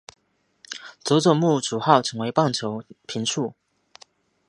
佐佐木主浩成为棒球评述。